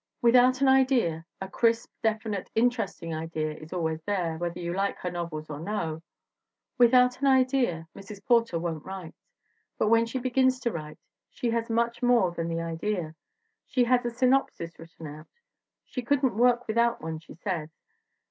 Without an idea a crisp, definite, interesting idea is always there, whether you like her novels or no without an idea Mrs. Porter won't write. But when she begins to write she has much more than the ii6 THE WOMEN WHO MAKE OUR NOVELS idea. She has a synopsis written out. She couldn't work without one, she says.